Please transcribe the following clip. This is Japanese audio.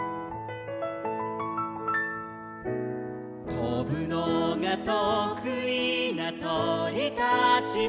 「とぶのがとくいなとりたちも」